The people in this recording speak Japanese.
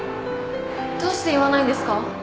どうして言わないんですか？